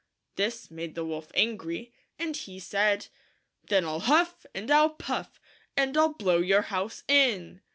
This made the wolf angry, and he said, — "Then 1 11 huff, and 1 11 puff, and I'll blow your house in